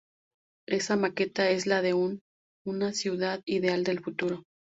Esa Maqueta es la de una ""ciudad ideal del futuro"".